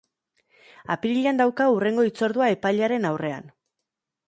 Apirilean dauka hurrengo hitzordua epailearen aurrean.